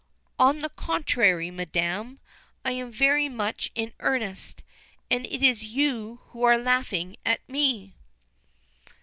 "On the contrary, madam, I am very much in earnest, and it is you who are laughing at me."